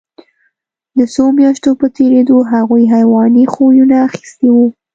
د څو میاشتو په تېرېدو هغوی حیواني خویونه اخیستي وو